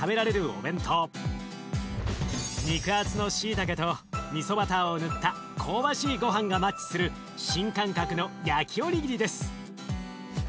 肉厚のしいたけとみそバターを塗った香ばしいごはんがマッチする新感覚の焼きおにぎりです。